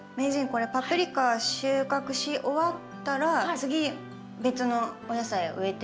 これパプリカ収穫し終わったら次別のお野菜を植えていいんですか？